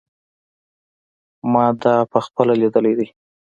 ما دا په خپله لیدلی دی.